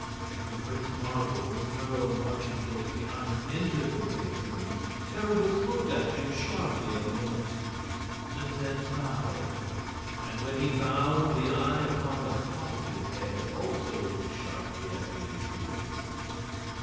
When Prince Marvel, with Nerle marching close behind, entered the great room, Terribus looked at him sharply a moment, and then bowed. And when he bowed the eye upon the top of his head also looked sharply at the intruders.